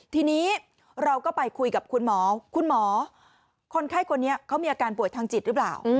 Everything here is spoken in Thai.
ทีนี้เราก็ไปคุยกับคุณหมอคุณหมอคนไข้คนนี้เขามีอาการป่วยทางจิตหรือเปล่า